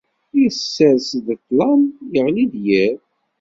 Isers-d ṭṭlam, iɣli-d yiḍ.